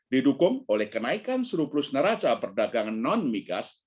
didukung oleh kenaikan surplus neraca perdagangan non migas